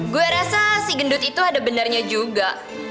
gue rasa si gendut itu ada benarnya juga